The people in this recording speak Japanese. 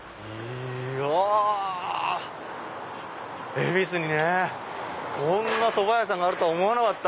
恵比寿にこんなそば屋さんがあるとは思わなかった！